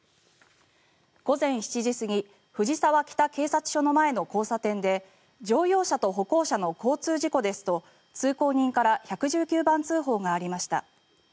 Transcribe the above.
午前７時過ぎ藤沢北警察署の前の交差点で乗用車と歩行者の交通事故ですと通行人から１１９番通報がありました。